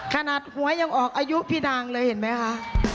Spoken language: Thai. ขนาดหัวยังออกอายุพี่นางเลยเห็นไหมคะ